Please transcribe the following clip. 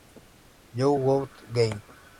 You got game?